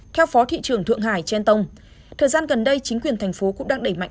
theo phó thị trưởng thượng hải chen tông thời gian gần đây chính quyền thành phố cũng đang đẩy mạnh